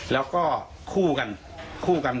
แล้วก็คู่กัน